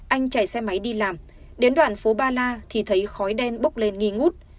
anh chạy xe máy đi làm đến đoạn phố ba la thì thấy khói đen bốc lên nghi ngút